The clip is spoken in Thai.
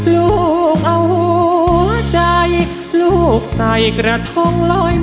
ลูกเอาใจลูกใส่กระทงลอยไป